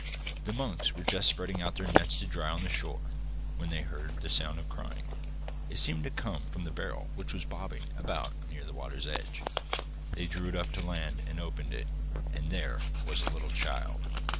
The monks were just spreading out their nets to dry on the shore, when they heard the sound of crying. It seemed to come from the barrel which was bobbing about near the water's edge. They drew it to land and opened it, and there was a little child!